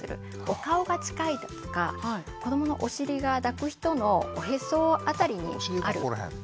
お顔が近いだとか子どものお尻が抱く人のおへそ辺りにあるとか。